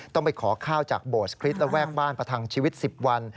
ต้องไปขอข้าวจากโบสถิตระแวกบ้านประทังชีวิต๑๐วัน